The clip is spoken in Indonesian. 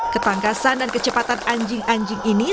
ketangkasan dan kecepatan anjing anjing ini